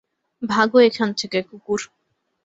ভাগো এখান থেকে, কুকুর।